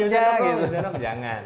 minum sendok jangan